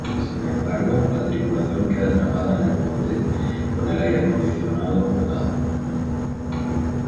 Sin embargo, la tripulación queda atrapada en el puente con el aire acondicionado cortado.